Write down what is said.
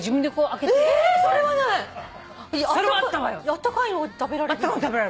あったかいの食べられる。